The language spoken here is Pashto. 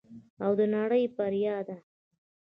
او د نړۍ بریا ده.